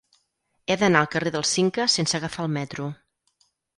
He d'anar al carrer del Cinca sense agafar el metro.